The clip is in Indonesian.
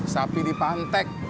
sapi di pantek